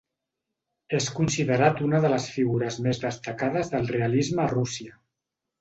És considerat una de les figures més destacades del realisme a Rússia.